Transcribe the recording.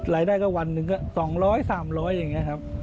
รายได้ก็วันหนึ่งก็๒๐๐๓๐๐อย่างนี้ครับ